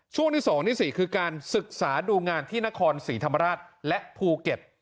ช่วงที่๒ที่๔คือการศึกษาดูงานที่นครศรีธรรมราชและภูเก็ต